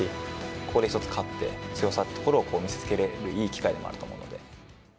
ここで一つ勝って、強さっていうところを見せつけるいい機会だと思うので。